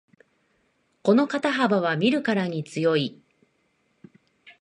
この肩幅は見るからに強い